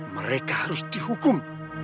mereka harus dihukum